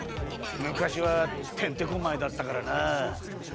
むかしはてんてこまいだったからな。